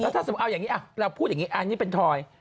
ถ้าสมินว่าอย่างงี้พูดอย่างนี้อ่ะอันนี้เป็นทอย